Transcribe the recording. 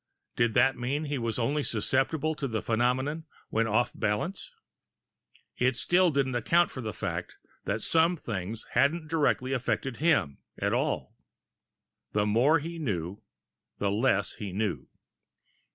Did that mean he was only susceptible to the phenomena when off balance? It still didn't account for the fact that some of the things hadn't directly affected him, at all. The more he knew, the less he knew.